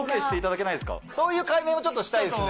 そういう解明もちょっとしたいですね。